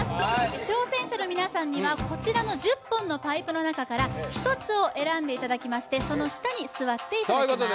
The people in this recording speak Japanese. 挑戦者の皆さんにはこちらの１０本のパイプのなかから一つを選んでいただきましてその下に座っていただきます